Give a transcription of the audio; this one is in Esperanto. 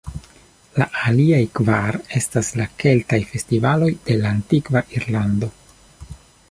La aliaj kvar estas la "keltaj" festivaloj de la antikva Irlando.